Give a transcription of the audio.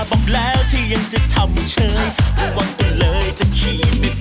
กะลมให้คิวไหมพูดให้รู้ว่าหลบก่อนหน่อย